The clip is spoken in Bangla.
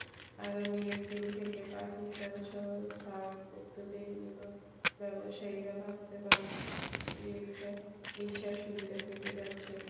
আগামী এপ্রিল থেকে পাকিস্তানসহ সার্কভুক্ত দেশগুলোর ব্যবসায়ীরা ভারতে বাণিজ্যিক ভিসা-সুবিধা পেতে যাচ্ছেন।